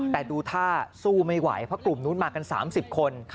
แต่ดูท่าสู้ไม่ไหวเพราะกลุ่มนู้นมากัน๓๐คน